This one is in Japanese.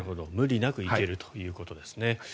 無理なくいけるということですね。